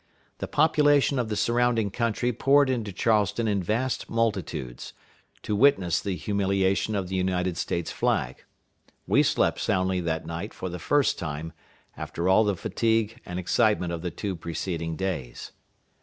The population of the surrounding country poured into Charleston in vast multitudes, to witness the humiliation of the United States flag. We slept soundly that night for the first time, after all the fatigue and excitement of the two preceding days.